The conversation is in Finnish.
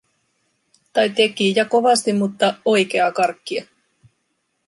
Tai teki ja kovasti, mutta oikeaa karkkia.